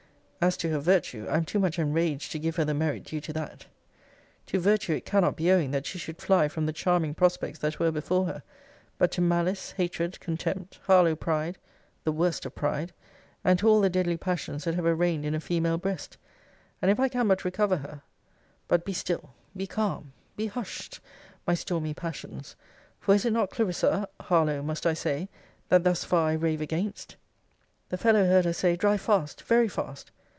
As to her virtue, I am too much enraged to give her the merit due to that. To virtue it cannot be owing that she should fly from the charming prospects that were before her; but to malice, hatred, contempt, Harlowe pride, (the worst of pride,) and to all the deadly passions that ever reigned in a female breast and if I can but recover her But be still, be calm, be hushed, my stormy passions; for is it not Clarissa [Harlowe must I say?] that thus far I rave against? 'The fellow heard her say, drive fast! very fast!